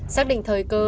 xác định thời cơ đã đến